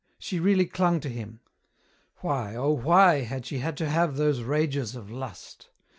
She really clung to him. Why, oh, why, had she had to have those rages of lust?